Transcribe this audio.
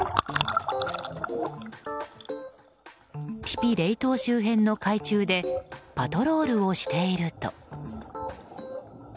ピピ・レイ島周辺の海中でパトロールをしていると。